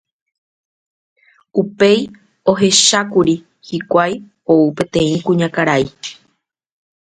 Upéi ohechákuri hikuái ou peteĩ kuñakarai